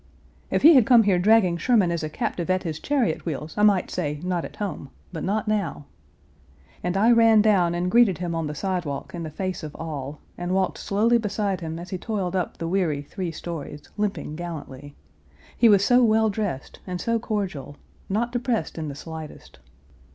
"If he had come here dragging Sherman as a captive at his chariot wheels I might say 'not at home,' but not now." And I ran down and greeted him on the sidewalk in the face of all, and walked slowly beside him as he toiled up the weary three stories, limping gallantly. He was so well dressed and so cordial; not depressed in the slightest.